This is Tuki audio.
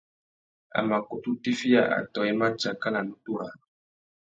A mà kutu tiffiya atōh i mà tsaka nà nutu râā.